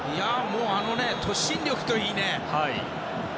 あの突進力といいね。